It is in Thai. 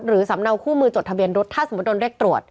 สำเนาคู่มือจดทะเบียนรถถ้าสมมุติโดนเรียกตรวจ